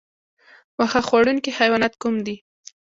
واښه خوړونکي حیوانات کوم دي؟